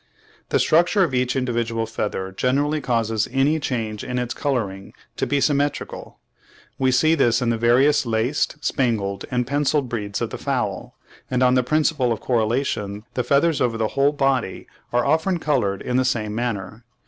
The structure of each individual feather generally causes any change in its colouring to be symmetrical; we see this in the various laced, spangled, and pencilled breeds of the fowl; and on the principle of correlation the feathers over the whole body are often coloured in the same manner.